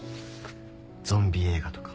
ゾンビ映画とか。